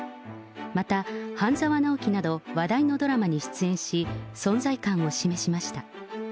また、半沢直樹など話題のドラマに出演し、存在感を示しました。